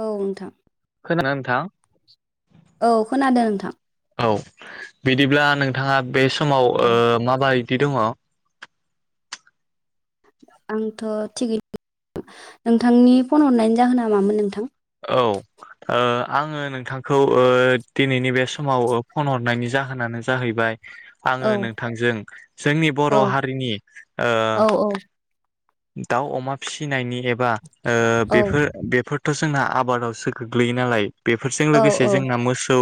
औ नोंथां खोनादों ना‌ नोंथां? औ खोनादों नोंथां । औ बिदिब्ला नोंथाङा । बे समाव ओ औ माबाय दि दङ? आंथ' थिगैनो नोंथांनि फन हरनायनि जाहोना मामोन नोंथां? औ ओ आङो नोंथांखौ दिनैनि बे समाव फन हरनायनि जाहोनानो जाहैबाय । औ आङो नोंथांजों जोंनि बर' औ हारिनि ओ औ । दाउ अमा फिसिनायनि एबा ओ औ बेफोर बेफोर थ' जोंना आबादआवसो गोग्लैयो नालाय बेफोरजों औ लोगोसे जोंना मोसौ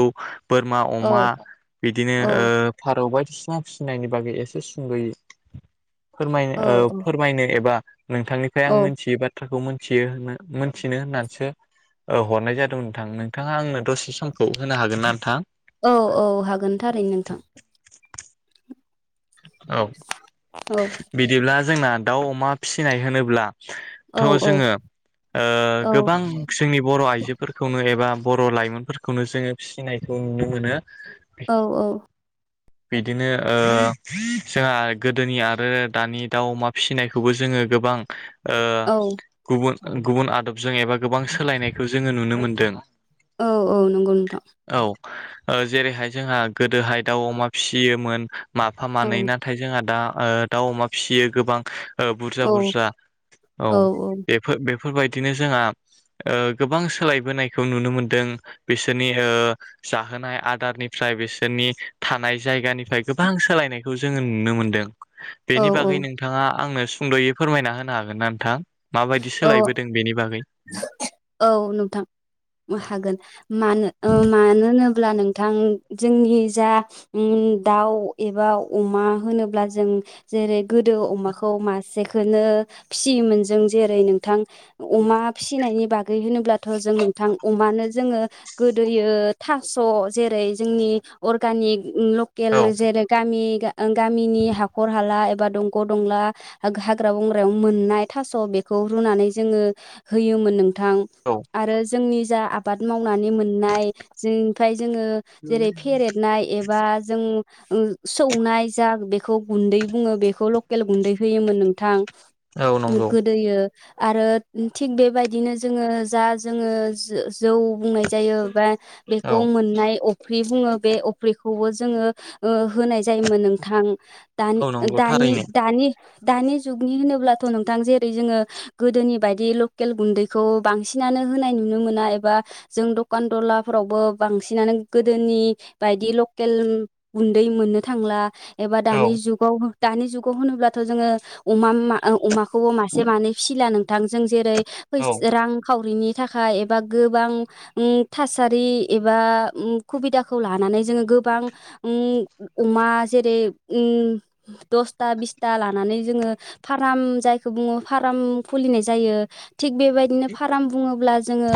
बोरमा औ अमा बिदिनो ओ फारौबाय फिसा फिसिनायनि बागै एसे सुंद'यो फोरमायनो औ ओ फोरमायनो एबा नोंथांनिफ्राय औ आं मोनथियै बाथ्राखौ मोन थियो मोनथिनो होननानैसो ओ हरनाय जादों नोंथां नोंथाङा आंनो दसे समखौ होनो हागोन ना नोंथां? औ औ हागोन थारैनो नोंथां औ औ बिदिब्ला जोंना दाउ अमा फिसिनाय होनोब्ला औ थ' औ जोङो ओ औ गोबां जोंनि बर' आइजो जोफोरखौनो एबा बर' लाइमोनफोरखौनो जोङो फिसिनायखौ नुनो मोनो औ औ बिदिनो ओ जोंहा गोदोनि आरो दानि दाउ अमा फिसिनायखौबो जोङो गोबां ओ औ गुबुन गुबुन आदबजों एबा गोबां सोलायनायखौ जोङो नुनो मोनदों औ औ नंगौ नोथां औ ओ जेरैहाय जोंहा गोदोहाय दाउ अमा फिसियोमोन माफा औ मानै नाथाय जोंहा दा ओ दाउ अमा फिसियो गोबां ओ बुरजा औ बुरजा औ बेफोर बे फोरबायदिनो जोंहा ओ गोबां सोलायबोनायखौ नुनो मोनदों बिसोरनि ओ जाहोनाय आदारनिफ्राय बिसोरनि थानाय जायगानिफ्राय गोबां सोलायनायखौ जोङो नुनो मोनदों बेनि औ बागै नोंथाङा आंनो सुंद'यै फोरमायना होनो हागोन ना नोंथां? माबायदि औ सोलायबोदों बेनि बागै औ नोंथां हागोन मानो होनो अब्ला नोंथां जोंनि जा उम दाउ एबा अमा होनोब्ला जों जेरै गोदो अमाखौ मासेखोनो फिसियोमोन जों जेरै नोंथां अमा फिसिनायनि बाग गै होनोब्ला थ' जों नोंथां अमानो जोङो गोदोयो था स' औ [unintelligible] ओ गामिनि हाखर हाला एबा दंग' दंला हाग्रा बंग्रायाव मोननाय थास' बे खौ रुनानै जोङो होयोमोन नों थां आरो जोंनि जा आबाद मावनानै मोननाय जोंफ्राय जोङो जेरै फेरेदनाय एबा जों ओ सौनाय जा बेखौ गुन्दै बुङो बेखौ ल केल गुन्दै होयोमोन नोंथां औ नंगौ गो दों आरो थिग बेबायदिनो जोङो जा जोङो जौ बुंनाय जायो बा औ बेखौ मोननाय अ फ्रि बुङो बे अफ्रिखौबो जोङो होनाय जायोमोन नोंथां। औ नंगौ थारैनो दान-दानि-दानि दानि जुगनि होनोब्लाथ' नोंथां जे रै जोङो गोदोनि बायदि लकेल गुन्दैखौ बांसिनानो होनाय नुनो मोना एबा जों दखान दलाफोरावबो बांसिनानो गोदोनि बायदि लकेल गुन्दै मोननो थांला। एबा औ दानि जुगाव दानि जुगाव होनोब्लाथ' जोङो अमा मा अमाखौबो मा से माने फिला नोंथांजों जेरै फैस औ रांखावरिनि थाखाय एबा गोबां ओ थासारि एबा खुबिदाखौ लानानै जोङो गोबां उ अमा जेरै ओ दसथा बिसथा लानानै जोङो फाराम जायखौ बुङो फाराम खुलिनाय जायो। थिग बेबायदिनो फाराम बुङोब्ला जोङो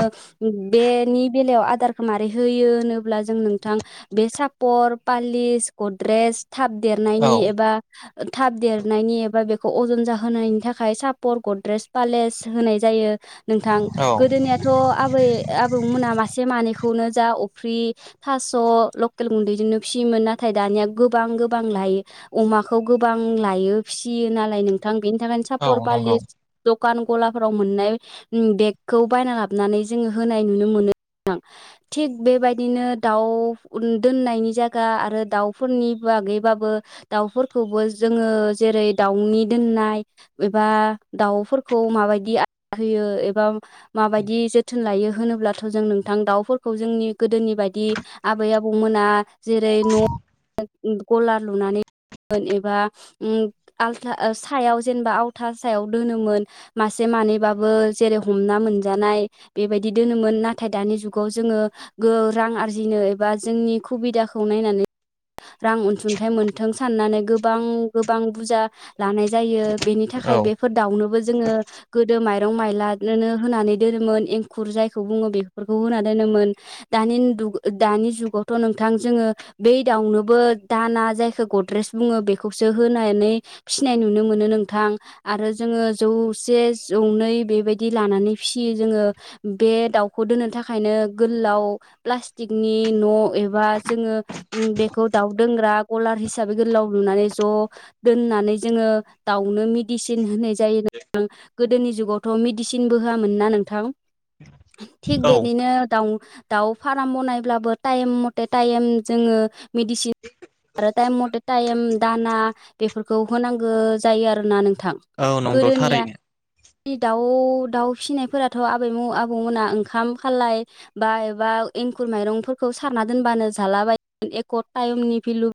बेनि बेलायाव आदारखौ मारै होयो होनोब्ला जों नोंथां बे सापर पालिस गद्रेस थाब देरनायनि औ एबा थाब देरनायनि एबा बेखौ अजन जाहोनायनि थाखाय सा पर गद्रेस पालेस होनाय जायो। नोंथां औ गोदोनियाथ' आबै आबौ मोना मास से मानैखौनो जा अफ्रि थास' लकेल गुन्दैजोंनो फियोमोन नाथाय दानिया गोबां गोबां लायो अमाखौ गोबां लायो फिसियो नालाय नोंथां बेनि औ साफर नंगौ फालिस द खान गलाफोराव मोननाय ओ बेगखौ बायना लाबनानै जोङो होनाय नुनो मोनो थिग बेबायदिनो दाउ दोननायनि जायगा आरो दाउफोरनि बागैबाबो दाउफोरखौबो जोङो जेरै दाउनि दोननाय उम बा दाउफोरखौ माबायदि आदार होयो एबा माबायदि जोथोन लायो होनोब्लाथ' जों नोंथां दाउफोरखौ जोंनि गोदोनि बायदि आबै आबौमोना जेरै न' गलार लुनानै [unintelligible] एबा। उम आलथा ओ सायाव जेनेबा आव। था सायाव दोनोमोन मासे मानैबाबो जेरै- हमना मोनजानाय बेबायदि दोनोमोन नाथाय दानि जुगाव जोङो गो रां आरजिनो एबा जोंनि खुबिदाखौ नायनानै। रां अनसुंथाइ मोनथों साननानै गोबां गोबां बुजा लानाय जायो। बेनि थाखाय औ बेफोर दाउनोबो जोङो गोदो माय। मायरं मायलानोनो होनानै दोनोमोन एंखुर जायखौ बुङो बेफोरखौ होना दोनोमोन दानिन दुग दानि जुगावथ' नोंथां जोङो बै दाउनो। बो दाना जायखौ गद्रेस बुङो बेखौसो होनानै फिसिनाय नुनो मोनो नोंथां आरो जोङो जौसे जौनै बेबायदि लानानै फियो जोङो बे दाउखौ दोननो थाखायनो गोललाव प्लास्टिकनि न' एबा जोङो उम बे। खौ दाउ दोंग्रा गलार हिसाबै गोलाव लुनानै ज' दोननानै जोङो दाउनो मेडिसिन होनाय जायो नोंथां गोदोनि जुगावथ' मेडिसिनबो होआमोनना नोंथां? थिग औ बिदिनो दाउ। दाउ फाराम बनायब्लाबो टाइम मथे टाइम जोङो। मेडिसिन फ्रा टाइम मथे टाइम दाना बेफोरखौ होनांगो जायो आरोना नों थां औ नंगौ गोदोनिया। थारैनो दाउ दाउ फिसिनायफोराथ' आबैमु आबौमोना ओंखाम खालाय बा एबा एंखुर माइरंफोरखौ सारना दोनबानो जालाबायो एक' टाइम नि भिलु,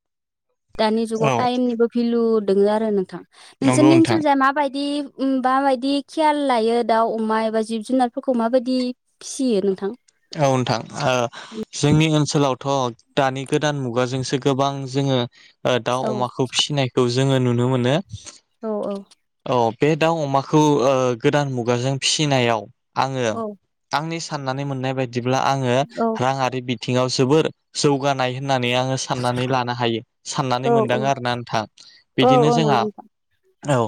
दानि जुगाव औ टाइमनिबो भिलु। दोङो आरो नोंथां। नंगौ नोंसोरनि नोंथां ओनसोलजा माबायदि। उम बाबायदि खेयाल लायो दाउ अमा एबा जिब जुनारफोरखौ माबायदि फिसियो नोंथां? औ नोंथां ओ जोंनि ओन सोलावथ' दानि गोदान मुगाजोंसो गोबां जोङो। ओ दाउ अमाखौ फिसिनायखौ जो जोङो नुनो मोनो। औ औ। औ बे दाउ अमाखौ ओ गोदान मुगाजों फिसिनायाव। आङो औ आंनिसो फाननानै मोननाय। बिदिब्ला आङो राङारि बि थिङाव जोबोर जौगानाय होन नानै आङो साननानै लानो हायो साननानै औ मोनदों औ आरोना नोंथां औ बिदिनो औ जोंहा। नंगौ नोंथां औ।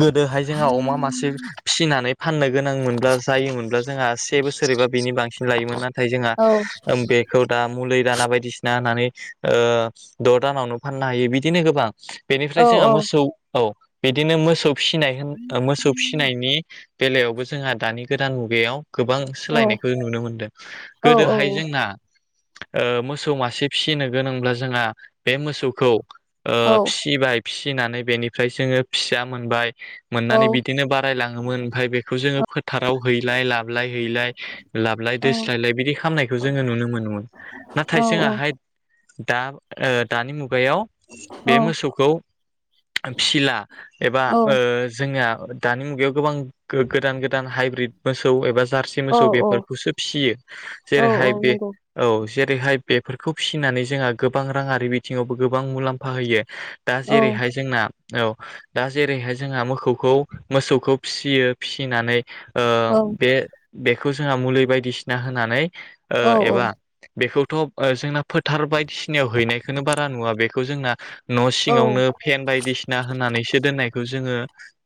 गोदोहाय जोंहा अमा मासे फिसिनानै फाननो गोनां मोनब्ला जायोमोनब्ला जोंहा से बोसोरैबा बिनि बांसिन। हायोमोन नाथाय जोंहा औ बेखौ दा। मुलि दाना बायदिसिना होननानै ओ द' दानावनो फाननो हायो बिदिनो गोबां। बेनिफ्राय औ जोंहा औ मोसौ औ बिदिनो मोसौ फिसिनाय होन मोसौ फिसिनायनि बेलायावबो जोंहा दानि गोदान मुगायाव गोबां औ सोलायनायखौ नुनो मोनो औ गोदोहाय जोंना ओ मोसौ मासे फिसिनो गोनांब्ला जोंहा बे मोसौखौ ओ औ फिसिबाय फिसिनानै बेनिफ्राय जोङो फिसा मोनबाय औ मोननानै बिदिनो बारायलाङोमोन ओमफ्राय बेखौ जोङो फोथाराव हैलाय लाबलाय हैलाय लाबलाय देस्लायलाय बिदि खालामनायखौ जोङो नुनो मोनोन नाथाय जोंहाय दा ओ दानि मु मुगायाव बे मोसौखौ फिला एबा जोंङो दानि मुगायाव गोबां गोदान गोदान हाइब्रिद मोसौ एबा जारसे औ मोसौ बेफोरखौसो फियो औ औ जेरैहाय बे नंगौ औ जेरैहाय बेफोरखौ फिसिनानै जोंहा गोबां राङारि बिथिङावबो गोबां मुलाम्फा होयो दा औ जेरैहाय जोंना औ दा जेरैहाय जोंहा मोखौखौ मोसौखौ फिसियो फिसिनानै ओ औ बे बेखौ जोंहा मुलि बायदि बायदिसिना होनानै ओ औ एबा बेखौ थ जोंना फोथार बायदिसिनायाव हैनायखौनो बारा नुवा बेखौ जोंना न' औ सिङावनो फेन बायदिसिना होननानैसो दोननाय बेखौ जोङो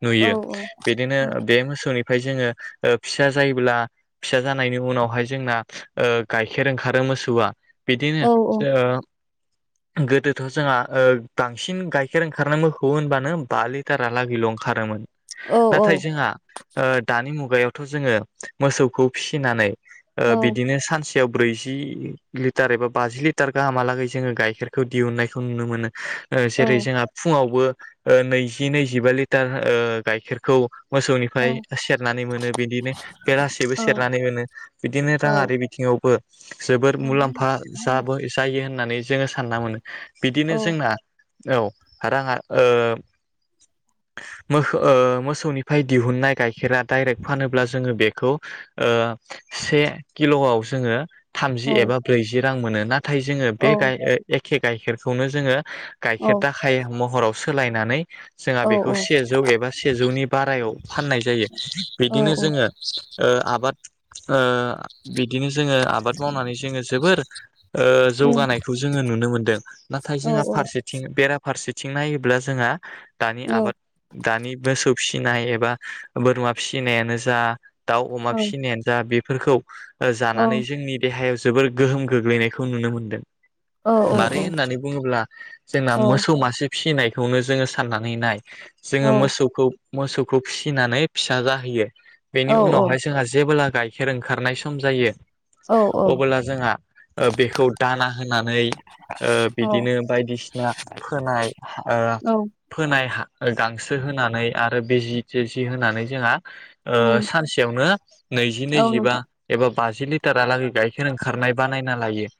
नुयो औ बिदिनो बे मोसौनि जोङो फिसा जायोब्ला फिसा जानाय जनि उनावहाय जोंना ओ गाइखेर ओंखारो मोसौआ बिदिनो औ ओ गोदोथ' ओ जोंहा बांसिन गाइखेर ओंखारनाय मोखौ होनब्लानो बा लिटारालागैल' ओंखारोमोन नाथाय जोंहा दानि मुगायाव थ' जोङो मोसौखौ फिसिनानै ओ बिदिनो सानसे याव ब्रैजि लिटार एबा बाजि लिटार गाहामहालागै जोंङो गाइखेरखौ दिहुननायखौ नुनो मोनो जेरै जोंहा फुङावबो नैजि नैजिबा लिटार ओ गाइखेरखौ मोसौनिफ्राय सेरनानै मोनो बिदिनो बेलासेबो औ सेरनानै मोनो बिदिनो औ राङारि बिथिंङावबो जोबोर औ मुलाम्फा जाब जायो होननानै जोंङो सानना मोनो औ बिदिनो जोंना औ रांङा ओ मोखौ मोसौनिफ्राय दिहुननाय गाइखेरा दाइरेक्ट फानोब्ला जोंङो बेखौ से किल'आव जोंङो औ थामजि एबा ब्रैजि रां मोनो ना नाथाय जोंङो औ बे गाइ ओ ए खे गाइखेरखौनो जोंङो औ गाइखेर दा खायो महराव सोलायनानै जोंहा औ बेखौ औ औ सेजौ एबा सेजौनि बारायाव फाननाय जायो बिदिनो जोंङो आबाद ओ बिदिनो जोंङो आबाद मावनानै जोंङो जोबोर ओ जौगानायखौ जोंङो नुनो मोनदों नाथाय औ जोंहा फारसेथिं बेरा फारसेथिं नायोब्ला जोंहा दानि आबाद दानि बोसौ फिसिनाय एबा बोरमा फिसिनायानो जा दाउ अम फिनायानो जा बे फोरखौ जानानै जोंनि देहायाव जोबोर गोहोम गोग्लैनायखौ नुनो मोनदों मारै होननानै बुंङोब्ला जोंना मोसौ मासे फिनायखौनो जोंङो साननानै नाय जोंङो मोसौखौ मोसौखौ फिसिनानै फिसा जाहैयो बेनि उनावहाय जोंहा जेबोला गाइखेर ओंखारनाय सम जायो । अब्ला जोंहा बेखौ दाना होनानै ओ औ बिदिनो बायदिसिना फोनाय औ फोनाय हा गांसो होनानै आरो बेजि सोजि होनानै जोंहा ओ सानसेयावनो नैजि औ नैजिबा नोंथां एबा बाजि लिटारहा लागै गाइखेर ओंखारनाय बानायना लायो ।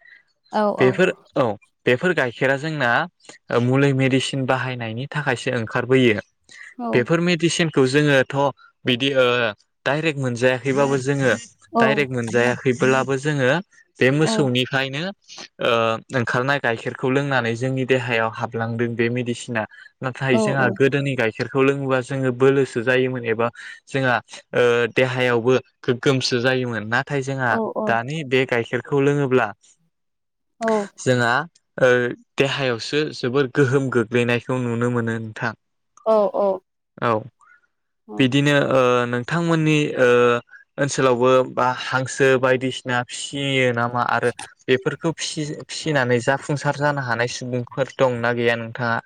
औ औ बेफोर औ । बेफोर गाइखेरा जोंना मुलि मेडिसिन बाहायनायनि थाखायसो ओंखारबोयो । औ बेफोर मेडिसिन खौ जोङोथ' बिदि ओ दाइरेक्ट मोनजाया खैबाबो जोङो औ दाइरेक्ट मोनजायाखैब्लाबो बो जोङो बे औ मोसौनिफ्रायनो ओ ओंखारनाय गाइखेरखौ लोंनानै जोंनि देहायाव हाबलांदों बे मेडिसिना । नाथाय औ जोंहा गोदोनि गाइखेर खौ लोङोबा जोङो बोलोसो जायोमोन एबा जोंहा ओ देहायावबो गोगगोमसो जायोमोन ना थाय जोंहा दानि बे गाइखेर खौ लोङोब्ला जोंहा ओ देहायावसो जोबोर गोहोम गोग्लैनायखौ नुनो मोनो नोंथां । औ औ । औ । बिदिनो ओ नोंथांमोननि ओ ओनसोलावबो बा हांसो बायदिसिना फियो नामा? मा आरो बेफोरखौ फिसिनानै जाफुंसार जानो हानाय सुबुंफोर दंना गैया नोंथाङा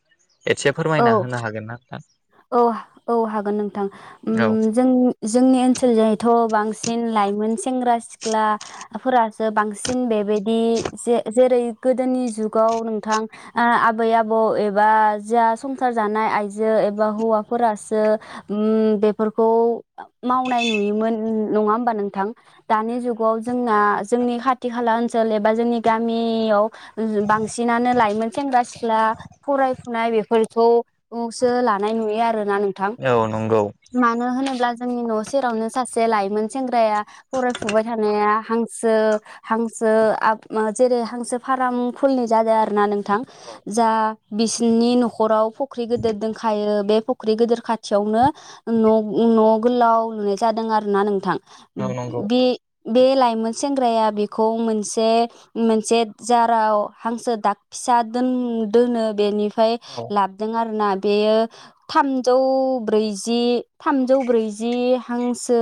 एसे औ फोरमायना होनो हागोन ना नोंथां? औ औ हागोन नोंथां औ उम्म जों जोंनि ओनसोलजों हायथ' बांसिन लाइमोन सेंग्रा सिख्लाफोरासो बांसिन बेबायदि जे-जेरै गोदोनि जुगाव नोंथां आबै आबौ एबा जा संसार जानाय आइजो एबा हौवाफोरासो उम्म बेफोरखौ मावनाय नुयोमोन । नङा होमबा नोंथां दानि जुगाव जोंना जोंनि खाथि खाला ओनसोल एबा जोंनि गामियाव बांसिनानो लाइमोन सेंग्रा सिख्ला फराय फुनाय बेफोरखौसो लानाय नुयो आरो । ना नोंथां औ नंगौ मानो होनोब्ला जोंनि न' सेरावनो सासे लाइमोन सेंग्राया फरायफुबाय थानाया हां हांसो हांसो जेरै हांसो फार्म खुलिनाय जादों आरो ना नोंथां औ नोंथां जा- बिस नोंनि न'खराव फख्रि गिदिर दंखायो बे फुख्रि गिदिर खाथियावनो न' न' गोलाव लुनाय जादों आरो ना नोंथां नंगौ बे बे लाइमोन सेंग्राया बेखौ मोनसे मोनसे जाराव हांसो दाग फिसा दोनो बेनि ओमफ्राय औ लाबोदों आरोना बेयो थामजौ ब्रैजि थामजौ ब्रैजि हांसो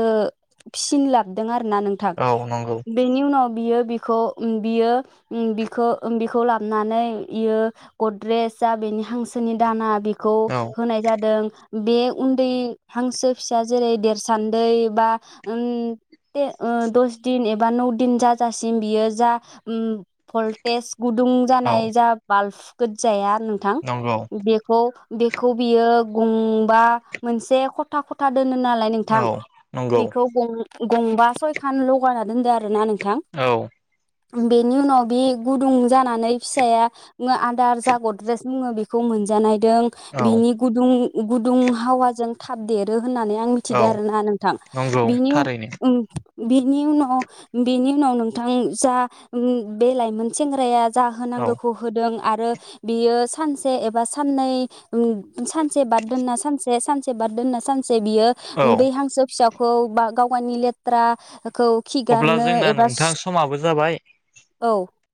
फिसिनो लाबोदों आरो आरो ना नोंथां औ नंगौ बेनि उनाव बियो बिखौ बियो बिखौ बिखौ लाबोनानै बियो गद्रेेज जा बेनि हांसोनि दाना बे खौ औ होनाय जादों बे उन्दै हांसो फिसा जेरै देरसान्दै बा दस दिन एबा नौ दिन जाजासिम बियो जा भल्टेज गुदुं औ जानाय जा बाल्ब गोज्जाया नोंथां नंगौ बेखौ बेखौ बियो गंबा मोनसे खथा - खथा दोनो नालाय नोंथां औ नंगौ बेखौ गंबा सयखान लगायना दोनदो आरो आरोना नोंथां औ बेनि उनाव बे गुदुं जानानै फिसाया आदार जागद एड्रेस बुङो बेखौ मोनजानाय औ बिनि गुदुं - गुदुं हावाजों थाब देरो होननानै आं औ मिथिदो आरोना नोंथां नंगौ बेनि थारैनो बेनि उनाव बेनि उनाव नोंथां जा बे लाइमोन सेंग्राया औ जाहोनांगौखौ होदों आरो बियो सानसे एबा साननै सानसे बाद दोनना सानसे सानसे बाद दोनना सानसे जे बियो औ बै हांसो फिसा खौ बा गावगायनि लेथ्रा खौ अब्ला खिगारनो जोंना एबा नोंथां सु समाबो जाबाय औ।